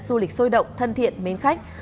du lịch sôi động thân thiện mến khách